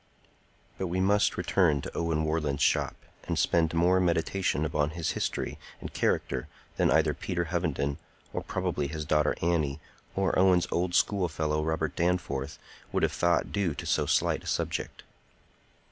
But we must return to Owen Warland's shop, and spend more meditation upon his history and character than either Peter Hovenden, or probably his daughter Annie, or Owen's old school fellow, Robert Danforth, would have thought due to so slight a subject.